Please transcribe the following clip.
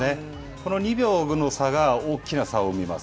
この２秒の差が、大きな差を生みます。